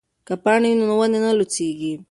که پاڼې وي نو ونې نه لوڅیږي.